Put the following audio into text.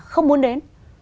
không muốn đến